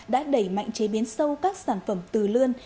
đã đẩy mạnh chế biến sâu các sản phẩm từ lươn